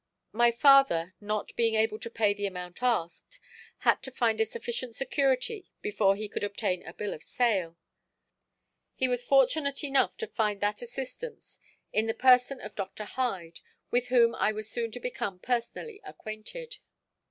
My father not being able to pay the amount asked, had to find a sufficient security before he could obtain a bill of sale. He was fortunate enough to find that assistance in the person of Dr. Hyde, with whom I was soon to become personally acquainted.